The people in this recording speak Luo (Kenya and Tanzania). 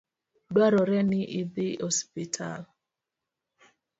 Dwarore ni idhi osiptal